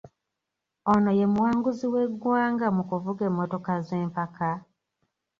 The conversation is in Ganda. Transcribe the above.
Ono ye muwanguzi w’eggwanga mu kuvuga emmotoka z’empaka ?